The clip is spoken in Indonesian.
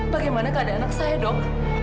bagaimana keadaan anak saya dong